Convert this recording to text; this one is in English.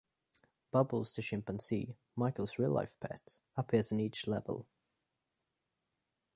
Bubbles the chimpanzee, Michael's real-life pet, appears in each level.